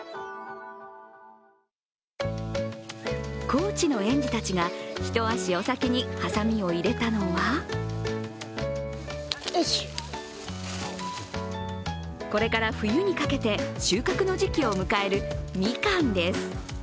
高知の園児たちが一足お先にはさみを入れたのはこれから冬にかけて収穫の時期を迎える、みかんです。